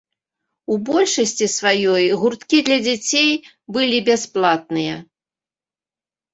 У большасці сваёй гурткі для дзяцей былі бясплатныя.